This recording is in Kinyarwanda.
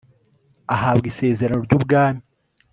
ahabwa isezerano ry'ubwami